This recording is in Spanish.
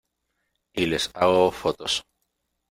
y les hago fotos.